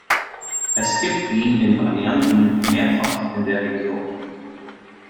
Es gibt ihn in Varianten mehrfach in der Region.